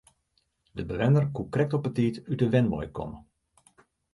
De bewenner koe krekt op 'e tiid út de wenwein komme.